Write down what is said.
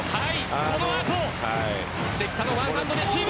このあと関田のワンハンドレシーブ。